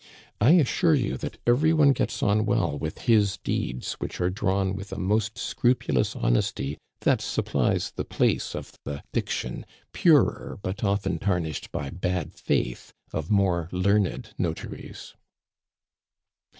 I assure you that every one gets on well with his deeds, which are drawn with a most scrupulous honesty that supplies the place of the diction, purer but often tarnished by bad faith, of more learned notaries."